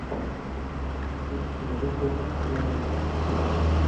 C’est une record pour l’Irlande.